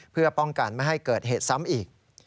เพื่อป้องกันไม่ให้เกิดเหตุซ้ำอีก